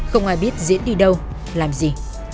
không ai biết diễn đi đâu làm gì